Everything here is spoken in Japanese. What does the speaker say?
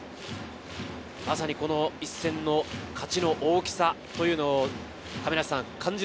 まさにこの一戦の勝ちの大きさというのを感じる。